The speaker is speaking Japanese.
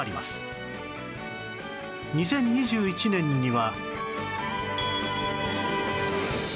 ２０２１年には